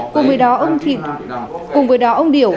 cùng với đó ông điều